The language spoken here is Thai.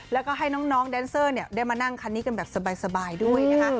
แล้วก็ให้น้องแดนเซอร์ได้มานั่งคันนี้กันแบบสบายด้วยนะคะ